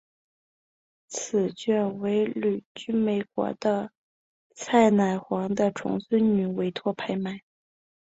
此卷为旅居美国的蔡乃煌的重孙女委托拍卖。